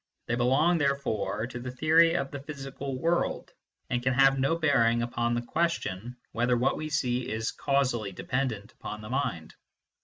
They belong therefore to the theory of the physical world, and can have no bearing upon the question whether what we see is causally dependent upon the mind.